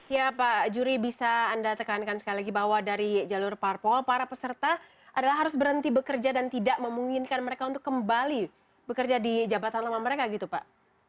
ya pak juri bisa anda tekankan sekali lagi bahwa dari jalur parpol para peserta adalah harus berhenti bekerja dan tidak memungkinkan mereka untuk kembali bekerja di jabatan lama mereka gitu pak